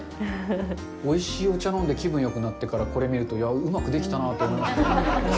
おいしいお茶を飲んで、気分よくなってからこれ見ると、うまくできたなあと思いますね。